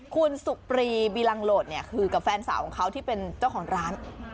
คุณสุกปรีบิลังโหลดเนี่ยคือกับแฟนสาวของเขาที่เป็นเจ้าของร้าน